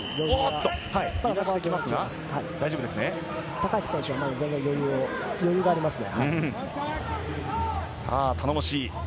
高橋選手、まだ全然余裕がありますね。